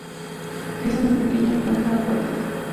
Es una pequeña planta acuática.